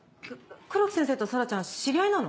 黒木先生と紗良ちゃん知り合いなの？